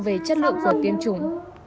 về chất lượng của tiêm chủng